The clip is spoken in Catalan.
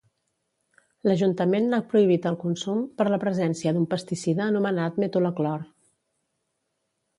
L'Ajuntament n'ha prohibit el consum per la presència d'un pesticida anomenat Metolaclor.